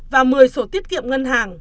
và một mươi sổ tiết kiệm ngân hàng